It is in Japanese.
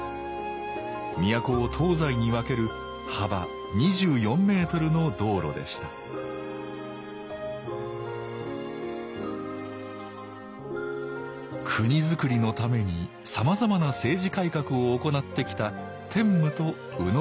都を東西に分ける幅２４メートルの道路でした国づくりのためにさまざまな政治改革を行ってきた天武と野讃良。